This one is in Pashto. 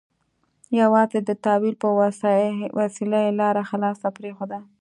یوازې د تأویل په وسیله یې لاره خلاصه پرېښوده.